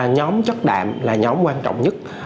nhóm chất đạm là nhóm quan trọng nhất